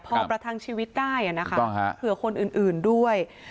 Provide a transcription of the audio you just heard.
พอประทังชีวิตได้อ่ะนะคะถูกต้องครับเผื่อคนอื่นอื่นด้วย